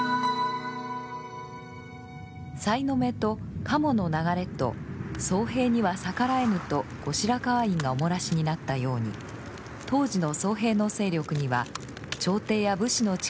さいの目と加茂の流れと僧兵には逆らえぬと後白河院がお漏らしになったように当時の僧兵の勢力には朝廷や武士の力を上回るものがありました。